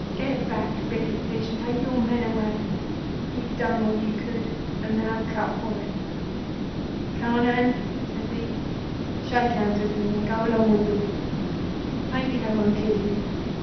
Get back, Billy Fish, and take your men away; you've done what you could, and now cut for it. Carnehan,' says he, 'shake hands with me and go along with Billy. Maybe they won't kill you.